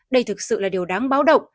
đây thực sự là điều đáng báo động